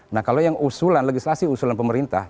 nah kalau yang usulan legislasi usulan pemerintah